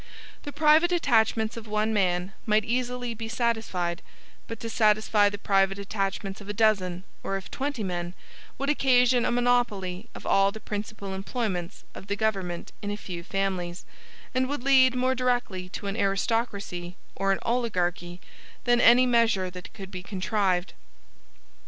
The private attachments of one man might easily be satisfied; but to satisfy the private attachments of a dozen, or of twenty men, would occasion a monopoly of all the principal employments of the government in a few families, and would lead more directly to an aristocracy or an oligarchy than any measure that could be contrived.